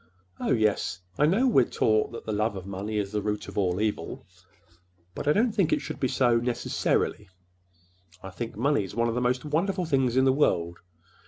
Oh, yes, I know—we're taught that the love of money is the root of all evil. But I don't think it should be so—necessarily. I think money's one of the most wonderful things in the world.